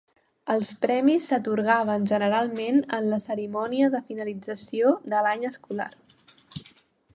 Els premis s'atorgaven generalment en la cerimònia de finalització de l'any escolar.